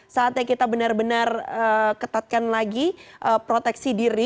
saatnya kita benar benar ketatkan lagi proteksi diri